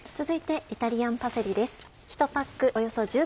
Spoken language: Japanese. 続いてイタリアンパセリです。